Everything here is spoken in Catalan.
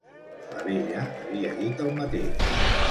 La vella havia dit el mateix.